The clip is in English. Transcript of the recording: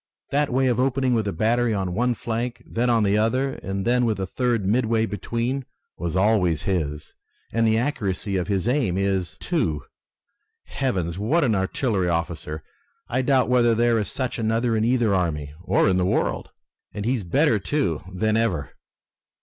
That way of opening with a battery on one flank, then on the other, and then with a third midway between was always his, and the accuracy of aim is his, too! Heavens, what an artillery officer! I doubt whether there is such another in either army, or in the world! And he is better, too, than ever!"